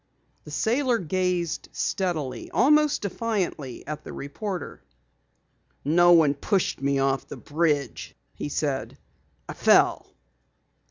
The sailor gazed steadily, almost defiantly at the reporter. "No one pushed me off the bridge," he said. "I fell."